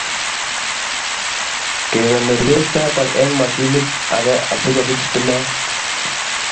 Kekonori pek choto eng mashinit ake asikosich stimet